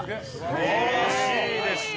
素晴らしいですね。